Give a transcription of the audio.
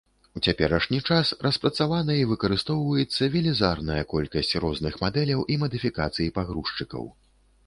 У цяперашні час распрацавана і выкарыстоўваецца велізарная колькасць розных мадэляў і мадыфікацый пагрузчыкаў.